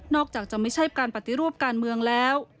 อกจากจะไม่ใช่การปฏิรูปการเมืองแล้ว